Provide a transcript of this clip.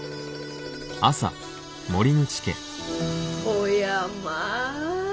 おやまあ。